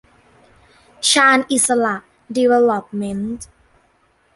ชาญอิสสระ ดีเวล็อปเมนท์